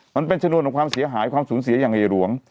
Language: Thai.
มันเป็นชนวนของความเสียหายความสูญเสียอย่างใหญ่หลวง